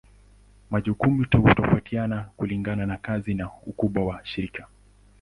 Majukumu hutofautiana kulingana na kazi na ukubwa wa shirika.